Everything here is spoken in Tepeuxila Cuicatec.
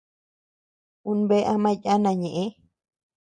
Un bea ama yana ñeʼë.